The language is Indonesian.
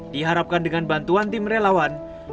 diharapkan dengan bantuan tim relawan